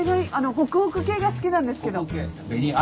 ホクホク系が好きなんですけど。